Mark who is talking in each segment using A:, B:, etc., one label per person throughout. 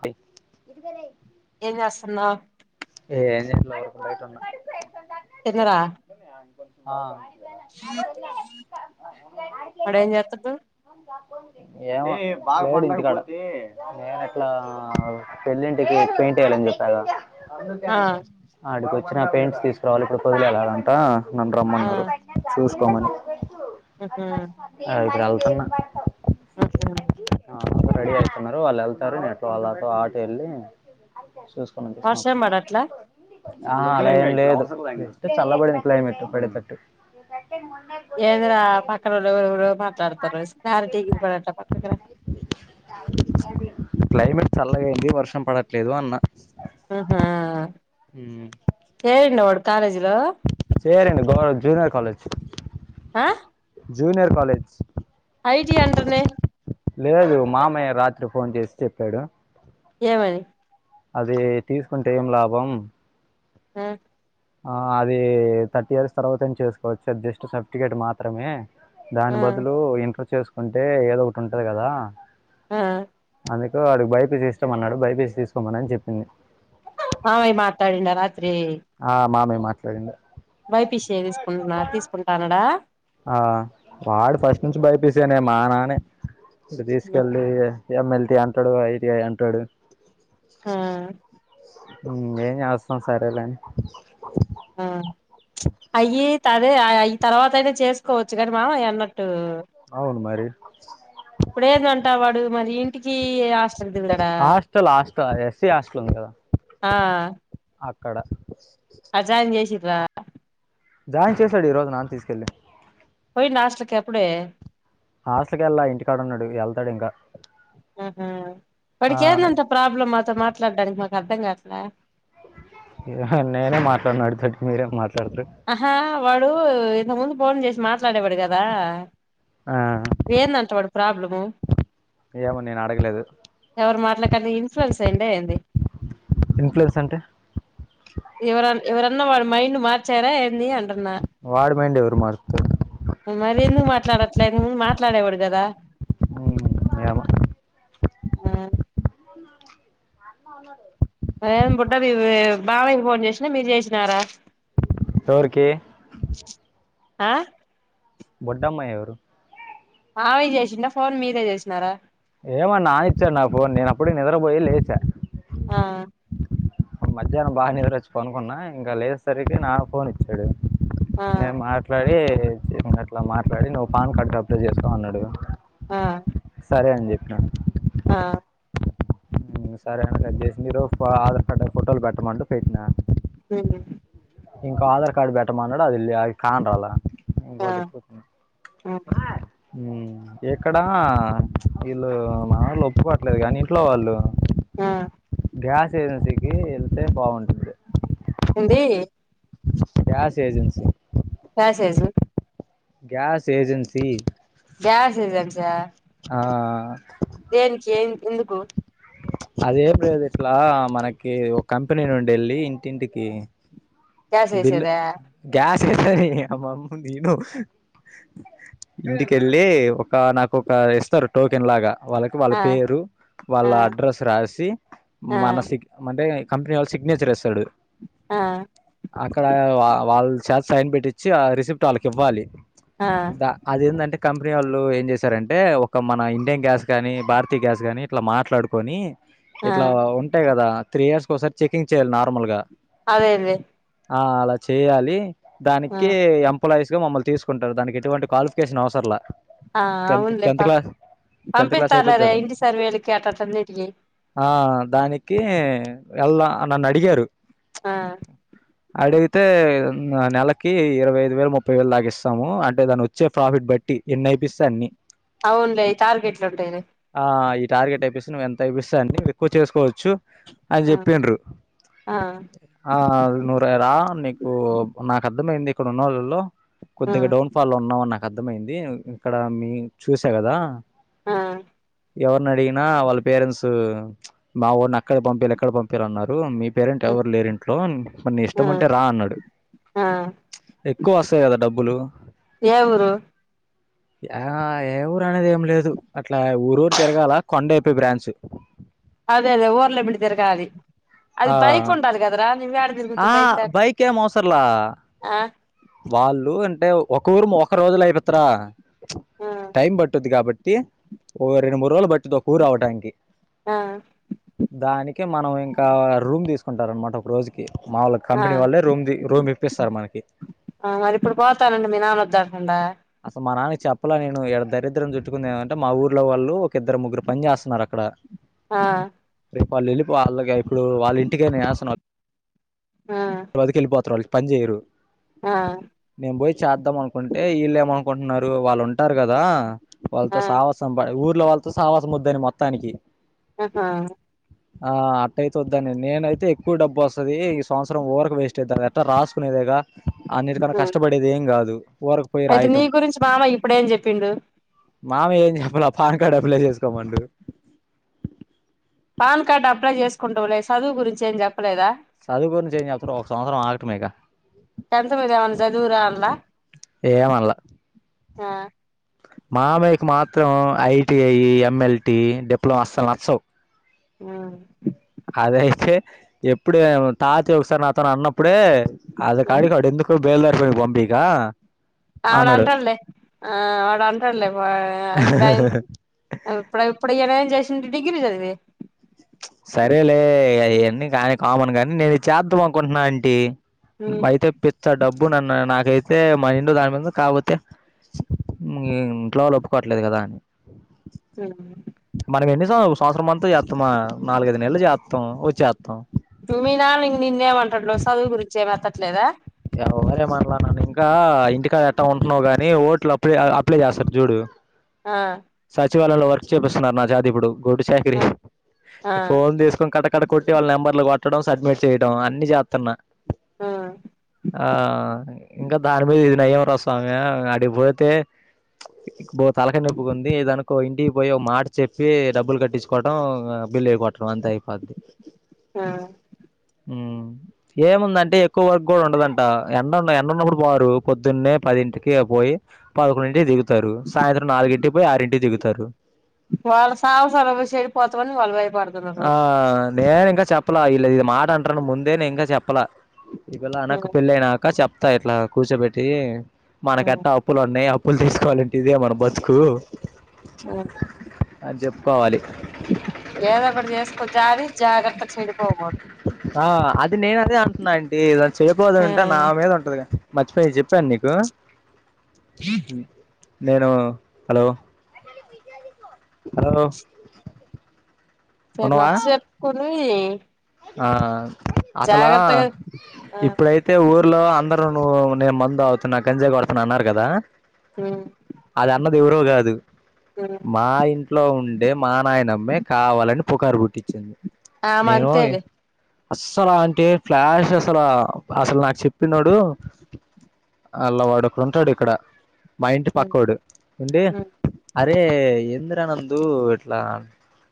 A: I
B: ఏం చేస్తన్నావ్?
A: ఎం చేయట్ల ఊరికే బయట ఉన్న
B: తిన్నరా?
A: ఆ
B: వాడు ఏం చేత్తడు
A: ఏమో లేదు ఇంటికాడ నేను ఇట్లా పెళ్ళింటికి పెయింట్ వెయ్యాలని చెప్పాగా
B: ఆ
A: ఆడికి వచ్చిన పెయింట్స్ తీసుకురావాలి ఇప్పుడు పొదిలి వెళ్లాలంట నన్ను
B: ఆ
A: రమ్మన్నారు చూస్కోమని
B: ఆహా
A: ఆ ఇప్పుడు ఎళ్తున్నా
B: అహ
A: అ అందరు రెడీ అవుతున్నారు వాళ్ళు వెళ్తారు నేన్ ఆటో వెళ్ళి చూస్
B: వర్షం పడట్లా
A: ఆహా లేదండి జస్ట్ చల్ల పడింది క్లైమేటు పడే తట్టు
B: ఏంద్రా పక్కనోళ్లు ఎవరెవరో మాట్లాడుతుర్రు క్లారిటీ గా ఇనపడట్లే పక్కకి రా
A: క్లైమేట్ చల్లగాయింది వర్షం పడట్లేదు అన్న
B: ఆహా
A: ఉమ్.
B: చేరిండా వాడు కాలేజీలో
A: చేరిండు బ్రో జూనియర్ కాలేజ్
B: ఆ
A: జూనియర్ కాలేజ్
B: ఐజీ అంటనే
A: లేదు మామయ్య రాత్రి ఫోన్ చేసి చెప్పాడు
B: ఏమని
A: అది తీసుకుంటే ఏం లాభం
B: మ్
A: ఆ అది థర్టీ ఇయర్స్ తర్వాత అయిన చేసుకోవచ్చు అది జస్ట్ సర్టిఫికేట్ మాత్రమే
B: ఆ
A: దాని బదులు ఇంటర్ చేసుకుంటే ఏదో ఒకటి ఉంటది కదా
B: ఆ
A: అందుకు వాడికి బైపీసి ఇష్టం అన్నాడు బైపిసి తీసుకోమని చెప్పింది
B: మావయ్య మాట్లాడిండ రాత్రి
A: ఆ మామయ్య మాట్లాడిండు
B: బైపిసి యే చేసేసుకుంటున్న తీసుకుంటా అన్నాడా
A: ఆ వాడు ఫస్ట్ నుంచి భైపిసినే మా నానే ఇటు తీసుకెళ్ళి ఎం ఎల్ టి అంటాడు ఐ టి ఐ అంటాడు
B: ఆ
A: మ్ ఇంగేమ్ చేస్తాం సరేలే అని
B: ఆ అయి అదే అయి తర్వాత అయినా చేసుకోవచ్చు కానీ మామయ్య అన్నట్టు
A: అవును మరి
B: ఇప్పుడేదంట వాడు మరి ఇంటికి హాస్టల్ దిగుతాడా
A: హాస్టల్ హాస్టల్ ఎస్సీ హాస్టల్ ఉంది కదా
B: ఆ
A: అక్కడ
B: అ జాయిన్ చేసిర్రా
A: జాయిన్ చేశడు ఈరోజు నాన్న తీసుకెళ్ళి
B: పోయిండా హాస్టల్ కి అప్పుడే
A: హాస్టల్కి ఎళ్ళలే ఇంటికాడున్నాడు ఎళ్తాడు ఇంకా
B: ఆహ వాడికి
A: ఆ,
B: ఏందంత ప్రాబ్లమ్ మాతో మాట్లాడానికి మాకు అర్ధం కావట్లే
A: అ హా నేనే మాట్లాను ఆడితోటి మీరేం మాట్లాడుతరు
B: ఆహా వాడు ఇంతకు ముందు ఫోన్ చేసి మాట్లాడేవాడు కదా
A: ఆ
B: ఏందంట వాడి ప్రాబ్లము
A: ఏమో నేను అడగలేదు
B: ఎవరి మాట్లాలకన్న ఇన్ఫ్లుయెన్స్ అయిండా ఏంది
A: ఇన్ఫ్లుయెన్స్ అంటే
B: ఎవరన్ ఎవరన్న వాడి మైండ్ మార్చార ఏంది అంటున్
A: వాడి మైండ్ ఎవరు మరుత్తారు
B: మరి ఎందుకు మాట్లాడట్లేదు మాట్లాడేవాడు కదా
A: ఉమ్ ఏమో
B: ఆ అదేం బుడ్డది బాబాయికి ఫోన్ చేసిందా మీరు చేసినారా
A: ఎవరికి
B: ఆ
A: బుడ్డ అమ్మాయి ఎవరు
B: మామయ్య చేసిన్డ ఫోన్ మీరే చేసినార
A: ఏమో నాన్నా ఇచ్చారు నాకు ఫోన్ నేను అప్పుడే నిద్రపోయి లేచా
B: ఆ
A: మధ్యాహ్నం బాగ నిదరొచ్చి పనుకున్నా ఇంక లేసే సరికి నాన్న ఫోన్ ఎత్ తెడు
B: ఆ
A: నేను మాట్లాడి ఇంకా అట్ల మాట్లాడి నువ్వు పాన్ కార్డు అప్లై చేసుకో అన్నాడు
B: ఆ
A: సరే అని చెప్పిన
B: ఆ
A: ఉమ్ సరే అని కట్ చేసింది రూఫ్ ఆధార్ కార్డ్ ఫోటోలు పెట్టమంటె పెట్టినా
B: ఉమ్
A: ఇంకో ఆధార్ కార్డ్ పెట్టమన్నాడు అది ల్య కాన్ రాల
B: ఆ
A: ఇంకోటి
B: ఆ
A: ఉమ్ ఎక్కడా వీళ్ళు మనవాళ్ళు ఒప్పుకోట్లేదు కానీ ఇంట్లో వాళ్ళు
B: ఆ
A: గ్యాస్ ఏజెన్సీకి వెళ్తే బాగుంటు
B: ఉంది
A: గ్యాస్ ఏజెన్సీ
B: ప్యాసేజు
A: గ్యాస్ ఏజెన్సీ
B: గ్యాస్ ఏజెన్సీ ఆ
A: అ ఆ
B: దేనికి ఎం ఎందుకు
A: అదేమి లేదు ఇట్లా మనకి ఒక కంపెనీ నుండి వెళ్ళి ఇంటింటికి
B: గ్యాస్
A: బిల్లు
B: వేసేదా
A: గ్యాస్ వేసేది నీ అమ్మ ముందు వీను ఇంటికెళ్ళి ఒక నాకు ఒక ఇస్తారు టోకెన్ లాగా వాళ్ళకి వాళ్ళ
B: ఆ
A: పేరు
B: ఆ
A: వాళ్ళ అడ్రస్ రాసి
B: ఆ
A: మన సిగ్ అంటే కంపెనీ వాళ్లు సిగ్నేచర్ ఇస్తాడు
B: ఆ
A: అక్కడ వాల్ వాళ్ళ చేత సైన్ పెట్టించిి ఆ రిసిప్ట్ వాళ్ళకి ఇవ్వాలి.
B: ఆ
A: దా అదేంటంటే కంపెనీ వాళ్ళు ఏం చేశారంటే ఒక మన ఇండియన్ గ్యాస్ కానీ భారతీయ గ్యాస్ కానీ ఇట్ల మాట్లాడుకొని
B: ఆ
A: ఇట్లా ఉంటాయి కదా త్రీ ఇయర్స్ కి ఒకసారి చెకింగ్ చేయ్యాలి నార్మల్ గా
B: అదేంది
A: ఆ అల చేయ్యాలి
B: ఆ
A: దానికి ఎం పోలైస్గ మిమ్మల్ని తీసుకుంటారు దానికి ఎటువంటి క్వాలిఫికేషన్ అవసర్లా
B: ఆ అవున్లే ప
A: టెన్త్ క్లాస్ అయిపోతే
B: పంపిస్తార్లె
A: చాలు
B: ఇంటి సర్వెలకి అట్ట అట్ల అన్నిటికి
A: ఆ దానికి ఎళ్ద నన్ను అడిగారు
B: ఆ
A: అడిగితే నెలకి ఇరవై ఐదు వేలు ముప్పై వేలు దాక ఇస్తాము అంటే దాన్ని వచ్చే ప్రాఫిట్ బట్టి ఎన్ని అయిపిస్తె అన్ని
B: అవునులే టార్గెట్లు ఉంటయిలే.
A: ఆ ఈ టార్గెట్ అయిపేసి నువ్వు ఎంత అయిపిస్తే అన్ని ఎక్కువ చేసుకోవచ్చు. అని
B: ఆ
A: చెప్పింర్రు
B: ఆ
A: ఆ నువ్వురేరా నీకు నాకు అర్థమైంది ఇక్కడ ఉన్న వాళ్ళలో
B: ఆ
A: కొద్దిగా డౌన్ ఫాల్లో ఉన్నావు అని నాకు అర్థమైంది ఇక్కడ మీ చూసా కదా.
B: ఆ
A: ఎవర్నడిగినా వాళ్ళ పేరెంట్స్ మావోన్ని అక్కడ పంపియాల ఇక్కడ పంపియాల అన్నారు. మీ పేరెంట్ ఎవరు లేరు ఇంట్లో మరి నీ
B: ఆ
A: ఇష్టం ఉంటేరా రా అన్నాడు
B: ఆ
A: ఎక్కువ వస్తాయి కదా డబ్బులు.
B: ఏ ఊరు?
A: ఆ ఏ ఊరు అనేది ఏం లేదు, అట్లా ఊరు ఊరు తిరగాల కొండైపి బ్రాంచ్.
B: అదేఅదే ఊర్లేమ్మటి తిరగాలి అది
A: ఆ
B: పైకి ఉంటాది కదరా. నువ్వేడ తిరుగుతవ్
A: ఆ
B: లేక
A: బైక్ ఏం అవసరం లా.
B: ఆ
A: వాళ్ళు అంటే ఒక ఊరు ఒక రోజుల ఎపిత్తరా.
B: ఆ
A: టైం పట్టుద్ది కాబట్టి ఓ రెండు మూడు రోజులు పట్టిద్ది ఒక ఊరు అవటానికి.
B: ఆ
A: దానికే మనం ఇంకా రూమ్ తీసుకుంటారన్నమాట ఒక రోజు కి మాములుగా
B: ఆ
A: కంపెనీ వాళ్లే రూమ్ రూమ్ ఇప్పిస్తారు మనకి.
B: ఆ మరి ఇప్పుడు పోతానంటే మీ నాన్న వద్దంటుండా.
A: అసలు మా నాన్నకు చెప్పలే నేను ఇడ దరిద్రం చుట్టుకుంది ఏమంటే మా ఊర్లో వాళ్ళు ఒక ఇద్దరు ముగ్గురు పని చేస్తున్నారు అక్కడ
B: ఆ
A: రేపు వాళ్ళు వెళ్ళి వాళ్ళకే ఇప్పుడు వాళ్ళ ఇంటికే నేఎస్తున్నా.
B: ఆ
A: వదికి వెళ్ళిపోతున్నారు ఇగ పని చేయరు.
B: ఆ
A: నేను పోయి చేద్దాం అనుకుంటే వీళ్ళు ఏమనుకుంటున్నారు వాళ్ళు ఉంటారు కదా
B: ఆ
A: వాళ్ళతో సావ సం ఊర్లో వాళ్ళతో సావాసం వద్దని మొత్తానికి
B: ఆహా
A: ఆ అట్టయితే వద్దనేది, నేనైతే ఎక్కువ డబ్బు వస్తది, ఈ సంవత్సరం వూరికే వేస్ట్ అయితది ఎట్టా రాసుకునేదేగా అన్నిటికన్నా కష్టపడేది ఏం కాదు ఊరకు పోయి
B: అయితే
A: రాయ
B: నీ గురించి మామ ఇప్పుడేం చెప్పిండు.
A: మామ ఏం చెప్పాలా పాన్ కార్డు అప్లై చేసుకోమండు.
B: పాన్ కార్డ్ అప్లై చేసుకుంటువులే, చదువు గురించి ఏం చెప్పలేదా?
A: చదువు గురించి ఏం చెప్పలా ఒక సంవత్సరం ఆగటమేగా.
B: టెన్త్ మీద ఎమన్నా చదువురా అన్లా
A: ఏమనలా
B: ఆ
A: మామయ్యకి మాత్రం ఐటిఐ, ఎమ్ఎల్టి, డిప్లమా అస్సలు నచ్చవు.
B: ఆ
A: అదయితే ఎప్పుడే తాతయ్య ఒకసారి నాతోని అన్నప్పుడే అది
B: ఆ ఆ
A: కాడు వాడు ఎందుకు బేల్దారికి పోయి పంపికా.
B: ఆడు
A: అన్నాడు
B: అంటడులే ఆ వాడు అంటడులే వా ఎప్పుడయింది ఆ ఇప్పుడ ఇప్పుడు ఈయన ఏం చేశిండు డిగ్రీ చదివి.
A: సరేలే అయన్నీ కాని కామన్ కానీ నేను ఇది చేద్దాం అనుకుంటున్నా అంటీ. బయట
B: చదివి
A: పిచ్చా డబ్బు నన్ను నాకైతే మైండు దాని మీద కాక్పోతే ఇంట్లో వాళ్ళు ఒప్పుకోవట్లేదు కదా అని
B: ఉహ్
A: మనం ఎన్ని సం సంవత్సరం అంతా చేత్తమా, నాలుగైదు నెలలు చేత్తం వచ్చేత్తాం.
B: మీ నాన్న నిన్నేమంటట్లు చదువు గురించి ఏమి ఎత్తట్లేదా
A: వవరేమట్లానన్న ఇంకా ఇంటికాడ ఎట్టా ఉంటున్నావు కాని ఓట్లు అప్లై అప్లై చేస్తారు చూడు
B: ఆ
A: సచివాలయంలో వర్క్ చేపిస్తున్నారు నా జాతి ఇప్పుడు గొడ్డు చాకరీ
B: ఆ ఆ
A: ఫోన్ తీసుకొని కట్టకట్ట కొట్టి వాళ్ళ నెంబర్లు కొట్టడం సబ్మిట్ చేయడం అన్ని చేత్తన్నా
B: ఆ
A: ఆ ఇంకా దాని మీద ఇది నయం రా స్వామి అడిపోతే బ తలకాయ నొప్పి ఉంది దానికో ఇంటికి పోయి ఓ మాట చెప్పి డబ్బులు కట్టిచుకోవటం ఆ బిల్ వేయప అంత అయిపోద్ది
B: ఆ
A: ఉ ఏముందంటే ఎక్కువ కూడా ఉండదంట ఎండ ఎండ ఉన్నప్పుడు పోరు పొద్దున్నే పదింటికే పోయి పదకొండింటికి దిగుతారు సాయంత్రం నాలుగింటికి పోయి ఆరింటికి దిగుతారు
B: వాళ్ళ సావసాన పోయి చెడి పోతవని వాళ్ళు భయపడు
A: ఆ నేను ఇంకా చెప్పలా ఇలా ఇది మాట అంటారను ముందే నేను ఇంకా చెప్పలా ఇళ అనకు పెళ్లి అయినాక చెప్తా ఇట్లా కూర్చోబెట్టి మనకెట్ట అప్పులు ఉన్నాయి అప్పులు తీసుకోవాలంటిదే మన బతుకు అని చెప్పుకోవాలి
B: ఏదో ఒకటి చేసుకో జారి జాగ్రత్తగా చెడిపోకు
A: ఆ అది నేను అదే అంటున్నా అంటి చెయపోదుంటే నా మీద ఉంటదిగా మర్చిపోయి చెప్పాను నీకు
B: ఇ
A: నేను హలో హలో
B: తే
A: ఉన్నవా
B: నచ్చెప్పుకొని
A: ఆ అసలా
B: ఆ
A: ఇప్పుడై తే ఊర్లో అందరును నువ్వు నేను మందు తావుతున్నా గంజాయి కొడుతున్నా అన్నారు కదా
B: ఉ
A: అది అన్నది ఎవరో కాదు
B: ఉ
A: మా ఇంట్లో ఉండే మా నాయనమ్మే కావాలని పుకారు పుట్టించింది
B: ఆమంతేలే
A: అస్సలా అంటే ఫ్లాష్ అసలు అసలు నాకు చెప్పిండోడు అల్ల వాడు ఒక్కడు ఉంటాడు ఇక్కడ మా ఇంటి పక్కోడు ఏంటి అరే ఎంద్ర నందు ఇట్లా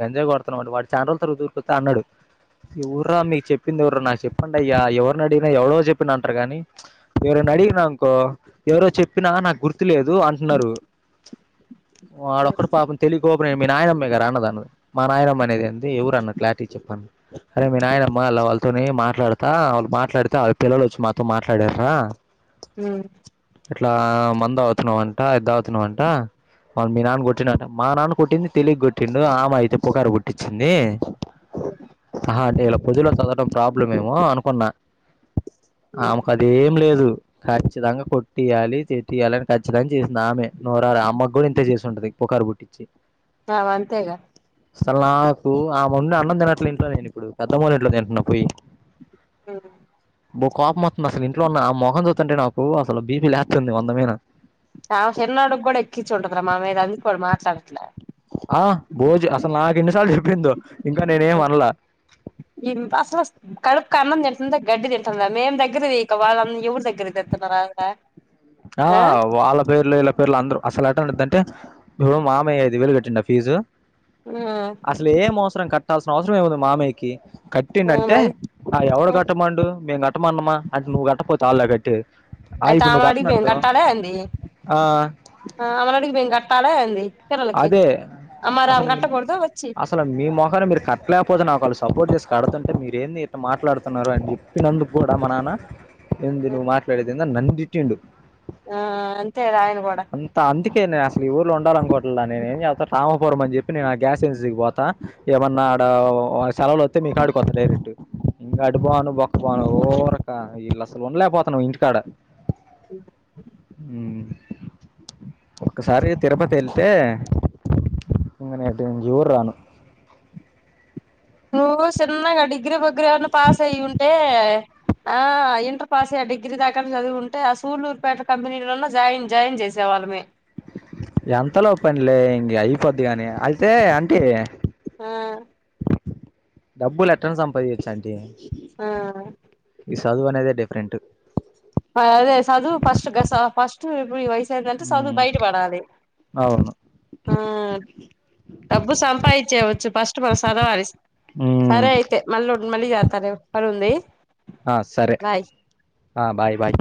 A: గంజాయి కొడుతున్నావంట వాడు చానా రోజు త దూరుకుతా అన్నాడు ఊర్ర మీకు చెప్పింది ఎవరు నాకు చెప్పండయ్యా ఎవరిని అడిగిన ఎవరో చెప్పిండ్రు అంటారు కాని ఎవరని అడిగినా అంకో ఎవరో చెప్పినా నాకు గుర్తులేదు అంటున్నారు వాడొక్కడు పాపం తెలియకోప నేను మీ నాయనమ్మే కదరా అన్నదాన్నాను మా నాయనమ్మ అనేదెంది ఎవరు అన్నా క్లారిటీ చెప్పన్ అరే మీ నాయనమ్మ అలా వాళ్ళతోని మాట్లాడతా వాళ్ళు మాట్లాడుతా వాళ్ళ పిల్లలు వచ్చి మాతో మాట్లాడారన్న
B: ఉ
A: ఇట్లా మందు తావుతున్నావుంట ఇది తావుతున్నావుంట మళ్ళ మీ నాన్న కొట్టిడు మా నాన్న కొట్టింది తెలిక కొట్టిండు ఆమె అయితే పుకారు కొట్టిచింది
B: [unintelligible]
A: ఆహా అంటే ఇలా పొదులో చదవటడం ప్రాబ్లం ఏమో అనుకున్నా ఆమెకు అదేం లేదు ఖచ్చితంగా కొట్టియాలి తే తీయాలని కచ్చితంగా చేసింది ఆమె నోరారా అమ్మ కూడా ఇంత చేసింటది పుకారు పుట్టిచ్చి
B: ఆమె అంతేగా
A: అసలు నాకు ఆముండి అన్నం తినట్లే ఇంట్లో నేను ఇప్పుడు పెద్దమ్మొలింట్లో తింటున్నా పోయి
B: ఇం
A: బో కోపం మొత్తంది అసలు ఇంట్లో ఉన్న ఆ మఖం చుతంటే నాకు అసలు బీపీ లేస్తుంది వందమైన
B: ఆమె చిన్నోడికి కూడా ఎక్కిచుంటదిరా మన మీద అందుకే వాడు మాట్లాడట్లే
A: ఆ భోజ అసలు నాకు ఎన్నిసార్లు చెప్పిందో ఇంకా నేనేం అనలా
B: ఈన్ తస్వస్త కడుపుకు అన్నం తింటుందా గడ్డి తింటందా మేం దగ్గర తీయక వాళ్ళ ఆమ్ ఎవరి దగ్గరికిదిస్తున్నారు ఆమెని
A: ఆ వాళ్ళ పేర్లు ఇళ్ళ పేర్లు అందరు అసలు ఎటదంటే ఇప్పుడు మామయ్య ఐదు వేలు కట్టిండ ఫీజు
B: ఆ
A: అసలు ఏం అవసరం కట్టాల్సిన అవసరం ఏముంది మామయ్యకి
B: ఆ
A: కట్టిందంటే
B: మరి
A: ఆ ఎవడ కట్టమండు మేం కట్టమనామ అంటే నువ్వు కట్టపోతే ఆళ్ళ కట్టేది ఆ ఇప్పుడు నువ్వు కట్ట
B: కి మేము కట్టాల ఏంది ఆమలడికి మేము కట్టాల ఏంది పిల్లలకి
A: అదే
B: అమరామె
A: అసలు
B: కట్ట కూడదు వచ్చి
A: అసలు మీ మొఖాన మీరు కట్టలేకపోతే నాకు వాళ్ళు సపోర్ట్ చేసి కడుతుంటే మీరు ఏంది ఇట్లా మాట్లాడుతున్నారు అని చెప్పి నందు కూడా మా నాన్న ఎంది ను మాట్లాడేదెంది అని నన్ను తిట్టిండు
B: ఆ అంతేది ఆయన కూడా
A: ఇంత అందుకేనే అసలు ఈ ఊర్లో ఉండాలనుకోట్ ఆ నేనేం చేస్తా రామపురం అని చెప్పి నేను ఆ గ్యాస్ ఏజెన్సీకి పోతా ఏమన్నాడ ఓ సెలవులు తే మీ కాడికికొత డైరెటూ ఇంకా అడుపోను బొక్క పోను ఓ రక ఇల్లు అసలు వండలేకపోతన్నా ఇంటి కాడ మ్ ఒక్కసారిగా తిరుపతి ఎల్ తే ఇంక నేటుంచిూరు రాను
B: నువ్వు చిన్నగా డిగ్రీ బగ్రీ ఏమన్నా పాస్ అయ్యి ఉంటే ఆ ఇంటర్ పాస్ అయ్య ఆ డిగ్రీ దాకాన్నా చదువుంటే ఆ సూళ్ళూరుపేట కంపెనీలలో జాయిన్ జాయిన్ చేసేవాళ్ళమే
A: ఎంతలో పనులే ఇం అయిపోద్దిగాని అయితే అంటి
B: ఆ
A: డబ్బులు ఎట్టన్ సంపాదించచ్చాంటి
B: ఆ
A: ఈ చదువు అనేది డే ప్రంట్
B: అదే చదువు ఫస్ట్ గసా ఫస్ట్ ఇప్పుడు ఈ వయసేదంటే చదువు
A: ఉమ్,
B: బయట పడాలి
A: అవును
B: ఆ డబ్బు సంపాదించేయవచ్చు ఫస్ట్ మనం సదవాలి
A: ఉమ్,
B: సరే అయితే మళ్ళ వున్ మళ్ళీ చేత్తా లే పని ఉంది
A: ఆ సరే ఆ బాయ్ బాయ్